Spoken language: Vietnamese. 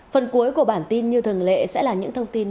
phần cuối của bản tin như thường lệ sẽ là những thông tin